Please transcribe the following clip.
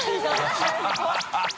ハハハ